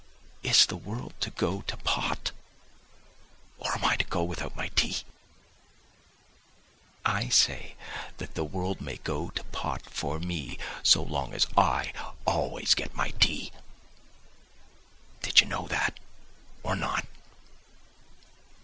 Is the world to go to pot, or am I to go without my tea? I say that the world may go to pot for me so long as I always get my tea. Did you know that, or not?